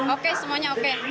oke semuanya oke